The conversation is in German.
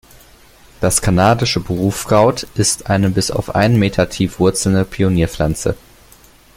Das Kanadische Berufkraut ist eine bis einen Meter tief wurzelnde Pionierpflanze.